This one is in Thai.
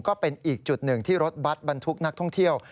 ก็เป็นอีกจุดหนึ่งที่รถบัตรบรรทุกนักท่องเที่ยว